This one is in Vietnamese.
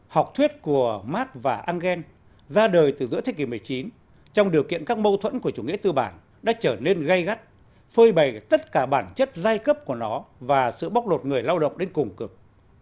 học thuyết của mart và engel ra đời từ giữa thế kỷ một mươi chín trong điều kiện các mâu thuẫn của chủ nghĩa tư bản đã trở nên gây gắt phơi bày tất cả bản chất giai cấp của nó và sự bóc lột người lao động đến cùng cực